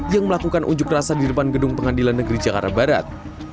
yang melakukan unjuk rasa di depan gedung pengadilan negeri jakarta barat